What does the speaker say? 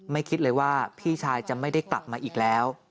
คิดเลยว่าพี่ชายจะไม่ได้กลับมาอีกแล้ว